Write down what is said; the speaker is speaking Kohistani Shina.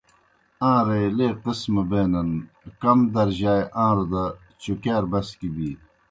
آن٘رے لے قسمہ بینَن، کم درجائے آن٘روْ دہ چُکیار بسکیْ بِینیْ۔